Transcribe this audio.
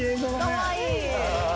かわいい！